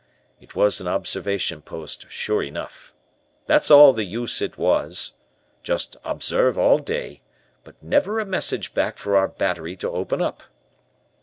"It was an observation post sure enough. That's all the use it was. Just observe all day, but never a message back for our battery to open up.